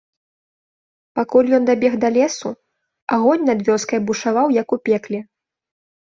Пакуль ён дабег да лесу, агонь над вёскай бушаваў, як у пекле.